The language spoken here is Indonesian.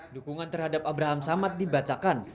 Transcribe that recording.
dukungan terhadap abraham samad dibacakan